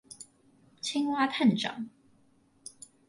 青蛙探長